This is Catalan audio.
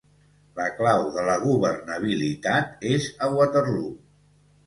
La clau de la governabilitat és a Waterloo.